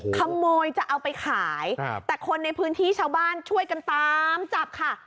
ขโมยจะเอาไปขายแต่คนในพื้นที่ชาวบ้านช่วยกันตามจับค่ะ